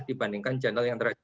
dibandingkan channel yang terakhir